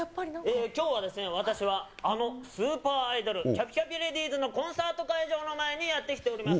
きょうはですね、私は、あのスーパーアイドル、きゃぴきゃぴレディースのコンサート会場の前にやって来ております。